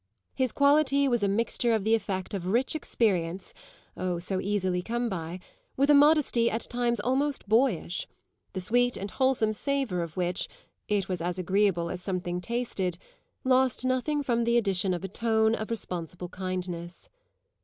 His quality was a mixture of the effect of rich experience oh, so easily come by! with a modesty at times almost boyish; the sweet and wholesome savour of which it was as agreeable as something tasted lost nothing from the addition of a tone of responsible kindness.